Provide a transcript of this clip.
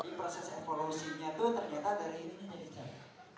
di proses evolusinya tuh ternyata dari ini jadi canggih